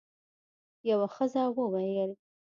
یوه ښځه وویل: